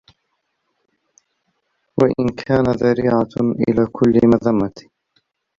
وَإِنْ كَانَ ذَرِيعَةً إلَى كُلِّ مَذَمَّةٍ